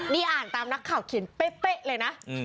นี่อ่านตามนักข่าวเขียนเป๊ะเลยนะ